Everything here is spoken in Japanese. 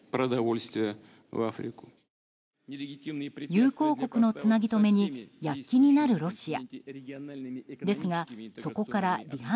友好国のつなぎ止めに躍起になるロシア。